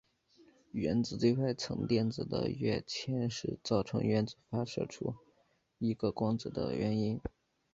原子最外层电子的跃迁是造成原子发射出一个光子的原因。